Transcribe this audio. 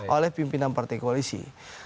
oleh pimpinan partai koalisi